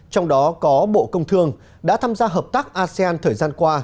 trong đó có bộ công thương đã tham gia hợp tác asean